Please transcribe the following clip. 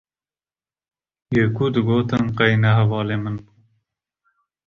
yê ku digotin qey ne hevalê min bûn